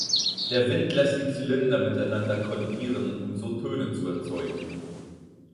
Der Wind lässt die Zylinder miteinander kollidieren, um so Töne zu erzeugen.